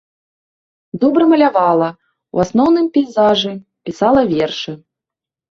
Добра малявала, у асноўным пейзажы, пісала вершы.